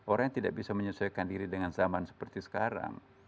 orang yang tidak bisa menyesuaikan diri dengan zaman seperti sekarang